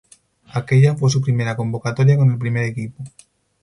Aquella fue su primera convocatoria con el primer equipo.